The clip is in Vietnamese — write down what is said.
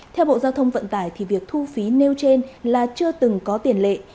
theo bộ giao thông vận tải thì việc thu phí nêu trên là chưa từng có tiền lệ